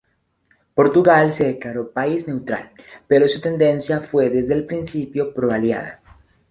Portugal se declaró país neutral, pero su tendencia fue desde el inicio pro-aliada.